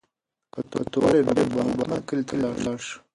که ته وغواړې نو موږ به حتماً کلي ته لاړ شو.